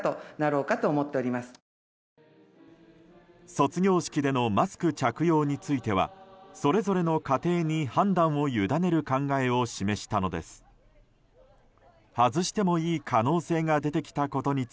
卒業式でのマスク着用についてはそれぞれの家庭に判断をゆだねる考えをマスクをした永岡大臣が示したのです。